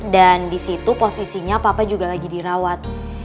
dan di situ posisinya papa juga lagi dirawat